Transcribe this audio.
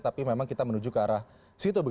tapi memang kita menuju ke arah situ